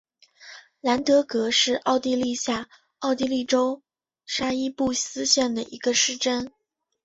兰德格是奥地利下奥地利州沙伊布斯县的一个市镇。